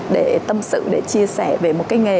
để tâm sự để chia sẻ về một cái nghề